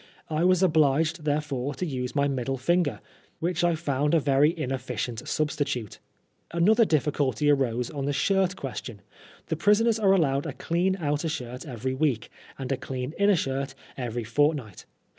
I was obliged therefore to use my middle finger, which I found a very inefficient sub stitute. Another difficulty arose on the shirt question. The prisoners are allowed a clean outer shirt every week, and a clean inner shirt every fortnight.